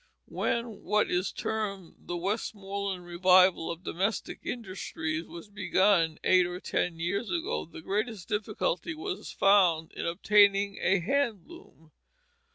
When what is termed the Westmoreland Revival of domestic industries was begun eight or ten years ago, the greatest difficulty was found in obtaining a hand loom.